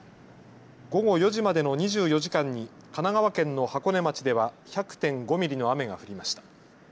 午後４時までの２４時間に神奈川県の箱根町では１００．５ミリの雨が降りました。